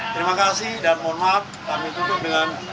terima kasih dan mohon maaf kami tutup dengan